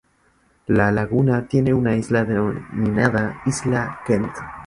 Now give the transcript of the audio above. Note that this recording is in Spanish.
La laguna tiene una isla denominada Isla Kent.